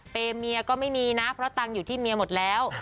เป็นเมียก็ไม่มีนะเพราะตังค์อยู่ที่เมียหมดแล้ว